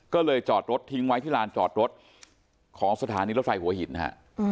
ก็เลยจอดรถทิ้งไว้ที่ลานจอดรถของสถานีรถไฟหัวหินนะฮะ